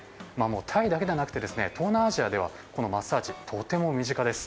タイだけではなく東南アジアではマッサージはとても身近です。